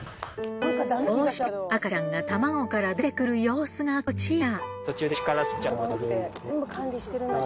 そうして赤ちゃんが卵から出てくるようすがこちら。